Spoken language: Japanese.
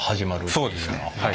そうですねはい。